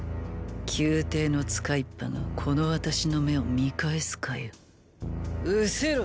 宮廷の使いっぱがこの私の目を見返すかよ失せろ。